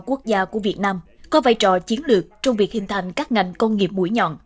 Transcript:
quốc gia của việt nam có vai trò chiến lược trong việc hình thành các ngành công nghiệp mũi nhọn